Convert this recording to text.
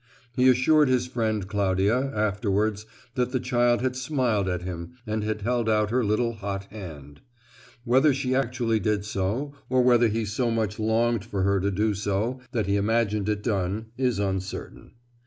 He assured his friend Claudia, afterwards, that the child had smiled at him and held out her little hot hand. Whether she actually did so, or whether he so much longed for her to do so that he imagined it done, is uncertain.